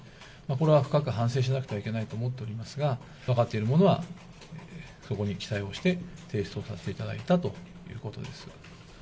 これは深く反省しなくてはいけないと思っておりますが、分かっているものは、そこに記載をして、提出をさせていただいたということです。